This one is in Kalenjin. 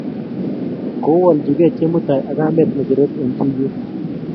Kowaljikey Chemutai ak kamet ng'echerok eng' tuiyet.